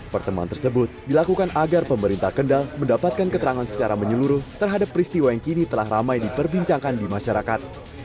pertemuan tersebut dilakukan agar pemerintah kendal mendapatkan keterangan secara menyeluruh terhadap peristiwa yang kini telah ramai diperbincangkan di masyarakat